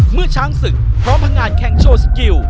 เมื่อช้างศึกพร้อมพังงานแข่งโชว์สกิล